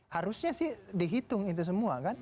harusnya sih dihitung itu semua kan